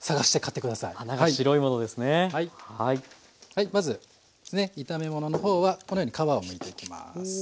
はいまず炒め物の方はこのように皮をむいていきます。